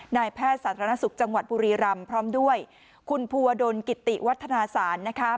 นายแพทย์สาธารณสุขจังหวัดบุรีรำพร้อมด้วยคุณภูวดลกิติวัฒนาศาลนะคะ